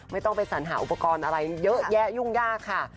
ไม่ต้องไปสัญหาอุปกรณ์อะไรเยอะแยะยุ่งยากค่ะ